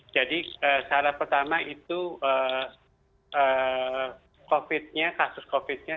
jadi syarat pertama itu covid nya kasus covid nya